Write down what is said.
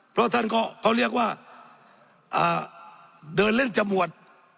เพราะท่านเขาเรียกว่าเดินเล่นจมวด